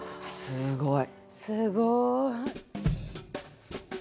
すごい。